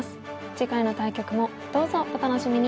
次回の対局もどうぞお楽しみに！